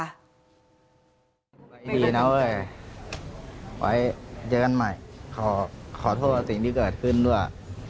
ตัวเอกอยู่บีน๊าเวร์เว้ยเจอกันใหม่ขอขอโทษว่าสิ่งที่เกิดขึ้นด้วย